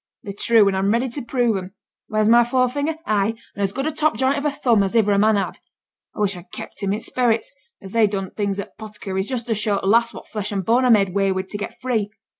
They're true, and I'm ready to prove 'em. Where's my forefinger? Ay! and as good a top joint of a thumb as iver a man had? I wish I'd kept 'em i' sperits, as they done things at t' 'potticary's, just to show t' lass what flesh and bone I made away wi' to get free.